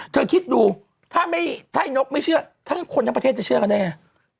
คิดดูถ้านกไม่เชื่อทั้งคนทั้งประเทศจะเชื่อกันได้ไง